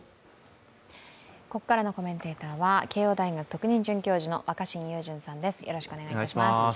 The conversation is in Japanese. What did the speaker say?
ここからのコメンテーターは慶応大学特任准教授の若新雄純さんです。